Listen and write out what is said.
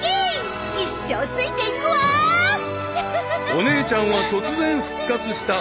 ［お姉ちゃんは突然復活した］